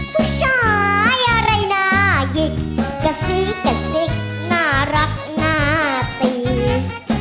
ผู้ช่วยอะไรน่าหยิกกระซิกกระซิกน่ารักน่าตื่น